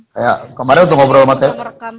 kayak kemarin udah ngobrol sama tv